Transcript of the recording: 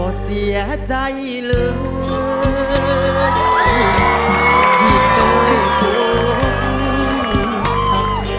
ขอเสียใจเลยที่เคยโกรธ